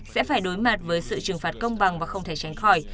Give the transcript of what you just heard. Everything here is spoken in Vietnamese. sẽ phải đối mặt với sự trừng phạt công bằng và không thể tránh khỏi